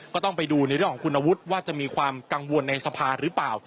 ก็ต้องไปดูในเรื่องของคุณวุฒิว่าจะมีความกังวลในสภาหรือเปล่า